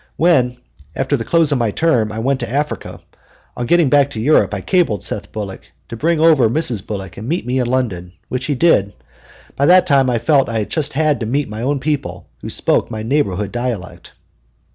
When, after the close of my term, I went to Africa, on getting back to Europe I cabled Seth Bullock to bring over Mrs. Bullock and meet me in London, which he did; by that time I felt that I just had to meet my own people, who spoke my neighborhood dialect.